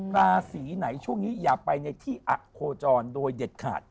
ราศีไหนช่วงนี้อย่าไปในที่อโคจรโดยเด็ดขาด